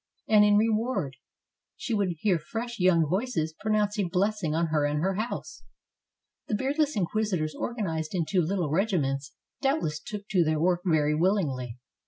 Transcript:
And, in reward, she would hear fresh young voices pronounce a blessing on her and her house. The beardless inquisitors, organized into little regi ments, doubtless took to their work very wilHngly.